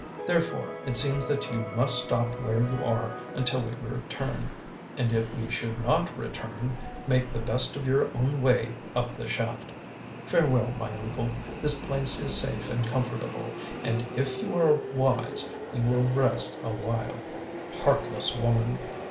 Therefore, it seems that you must stop where you are until we return, and if we should not return, make the best of your own way up the shaft. Farewell, my uncle, this place is safe and comfortable, and if you are wise you will rest awhile." "Heartless woman!"